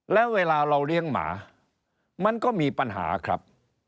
แล้วเวลาเราเลี้ยงหมามันก็มีปัญหาครับ